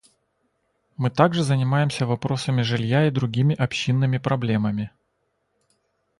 Мы также занимаемся вопросами жилья и другими общинными проблемами.